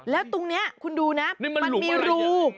แล้วตรงนี้คุณดูนะมันมีรู